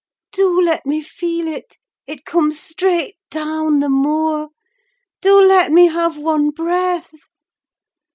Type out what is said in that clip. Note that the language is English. Do let me feel it—it comes straight down the moor—do let me have one breath!"